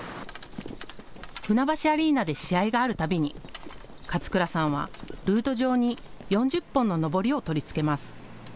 船橋アリーナで試合があるたびに勝倉さんはルート上に４０本ののぼりを取り付けます。